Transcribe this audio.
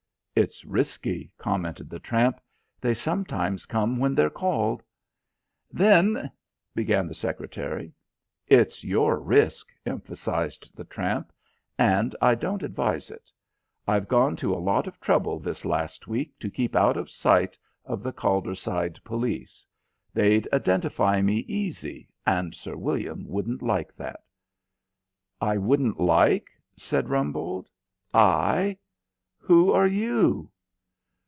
"It's risky," commented the tramp. "They sometimes come when they're called." "Then " began the secretary. "It's your risk," emphasised the tramp. "And, I don't advise it. I've gone to a lot of trouble this last week to keep out of sight of the Calderside police. They'd identify me easy, and Sir William wouldn't like that." "I wouldn't like?" said Rumbold. "I? Who are you?"